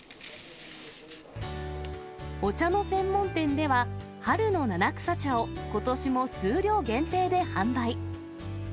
お茶の専門店では、春の七草茶をことしも数量限定で販売。